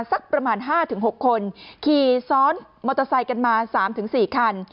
สักประมาณ๕๖คนขี่ซ้อนมอเตอร์ไซค์กันมา๓๔คัน